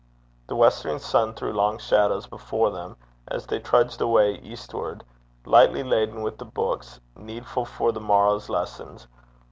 The westering sun threw long shadows before them as they trudged away eastward, lightly laden with the books needful for the morrow's lessons.